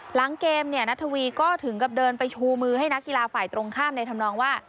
หลังเกมเนี่ยนัทวีก็ถึงกับเดินไปชูมือให้นักกีฬาฝ่ายตรงข้ามในธรรมนองว่า